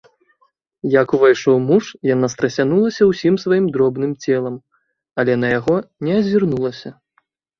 Як увайшоў муж, яна страсянулася ўсім сваім дробным целам, але на яго не азірнулася.